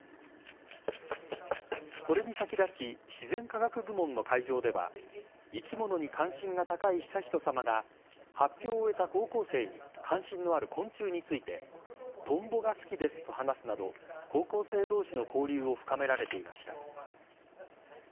これに先立ち自然科学部門の会場では生き物に関心が高い悠仁さまが発表を終えた高校生に関心のある昆虫についてトンボが好きですと話すなど高校生同士の交流を深められていました。